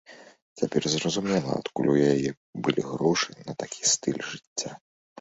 Цяпер зразумела, адкуль у яе былі грошы на такі стыль жыцця.